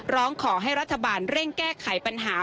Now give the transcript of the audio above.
ร้องขอให้รัฐบาลเร่งแก้ไขปัญหา